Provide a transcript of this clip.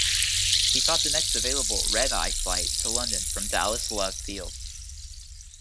He caught the next available "red eye" flight to London from Dallas Love Field.